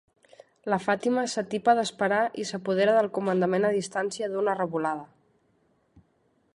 La Fàtima s'atipa d'esperar i s'apodera del comandament a distància d'una revolada.